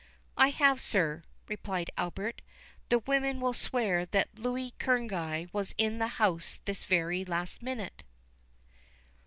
"I have, sir," replied Albert; "the women will swear that Louis Kerneguy was in the house this very last minute."